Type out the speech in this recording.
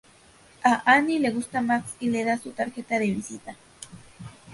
A Annie le gusta Max y le da su tarjeta de visita.